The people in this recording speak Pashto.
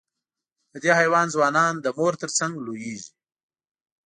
د دې حیوان ځوانان د مور تر څنګ لویېږي.